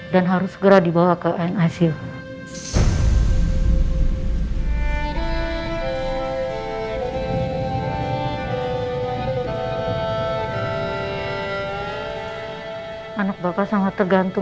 dan harus segera dibawa ke nisu